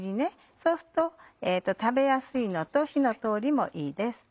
そうすると食べやすいのと火の通りもいいです。